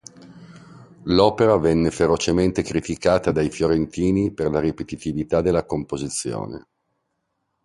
L'opera venne ferocemente criticata dai fiorentini per la ripetitività della composizione.